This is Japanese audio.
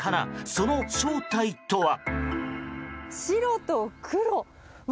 その正体とは。